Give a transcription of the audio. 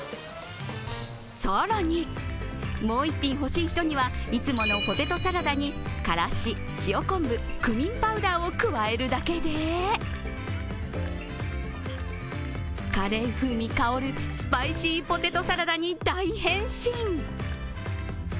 更に、もう１品欲しい人にはいつものポテトサラダにからし、塩昆布、クミンパウダーを加えるだけでカレー風味香るスパイシーポテトサラダに大変身。